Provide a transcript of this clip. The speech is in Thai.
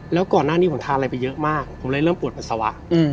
แล้วก่อนหน้านี้ผมทานอะไรไปเยอะมากผมเลยเริ่มปวดปัสสาวะ